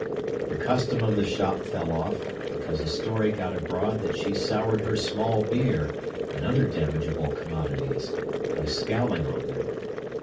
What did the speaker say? The custom of the shop fell off, because a story got abroad that she soured her small beer and other damageable commodities, by scowling on them.